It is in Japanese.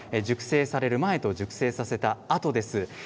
熟成される前と熟成させたあとです。